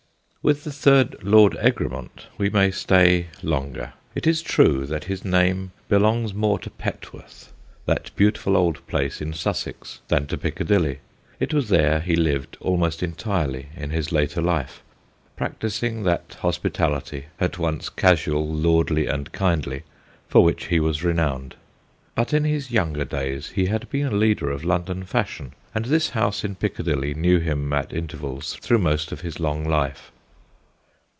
With the third Lord Egremont we may stay longer. It is true that his name belongs 128 THE GHOSTS OF PICCADILLY more to Petworth, that beautiful old place in Sussex, than to Piccadilly : it was there he lived almost entirely in his later life, practising that hospitality, at once casual, lordly, and kindly, for which he was re nowned. But in his younger days he had been a leader of London fashion, and this house in Piccadilly knew him at intervals through most of his long life.